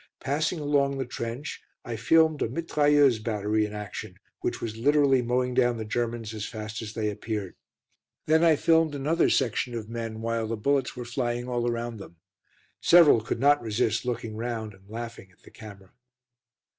Passing along the trench, I filmed a mitrailleuse battery in action, which was literally mowing down the Germans as fast as they appeared. Then I filmed another section of men, while the bullets were flying all around them. Several could not resist looking round and laughing at the camera.